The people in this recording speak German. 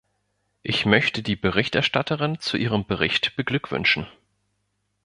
Ich möchte die Berichterstatterin zu ihrem Bericht beglückwünschen.